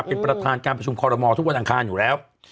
เป็นประธานการประชุมคอรมอลทุกวันอังคารอยู่แล้ว